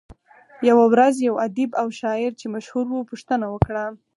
يوه ورځ يو ادیب او شاعر چې مشهور وو پوښتنه وکړه.